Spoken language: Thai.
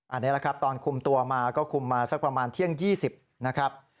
อันนี้แหละครับตอนคุมตัวมาก็คุมมาสักประมาณเที่ยง๒๐นะครับ